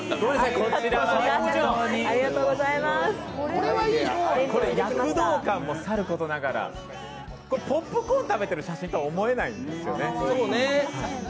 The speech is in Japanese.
これ、躍動感もさることながらポップコーンを食べてる写真とは思えないんですよね。